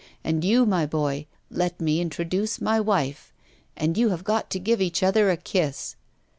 And you, my boy; let me introduce my wife. And you have got to give each other a kiss.